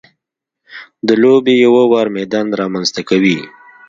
د لوبې یو ه وار میدان رامنځته کوي.